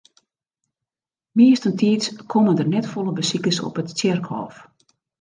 Meastentiids komme der net folle besikers op it tsjerkhôf.